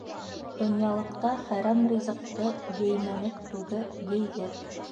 Донъялыҡта хәрәм ризыҡты еймәнек түге, ейҙек.